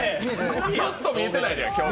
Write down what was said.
ずっと見えてないのよ、今日。